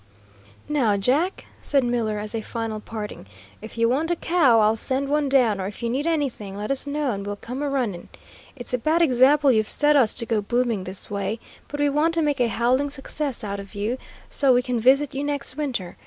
"Now, Jack," said Miller, as a final parting, "if you want a cow, I'll send one down, or if you need anything, let us know and we'll come a running. It's a bad example you've set us to go booming this way, but we want to make a howling success out of you, so we can visit you next winter.